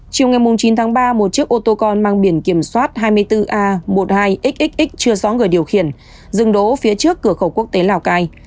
chiều ngày chín tháng ba một chiếc ô tô con mang biển kiểm soát hai mươi bốn a một mươi hai xxx chưa rõ người điều khiển dừng đỗ phía trước cửa khẩu quốc tế lào cai